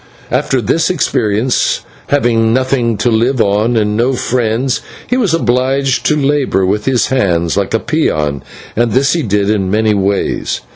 After this experience, having nothing to live on and no friends, he was obliged to labour with his hands like a peon, and this he did in many ways.